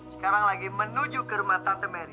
sekarang lagi menuju ke rumah tante mary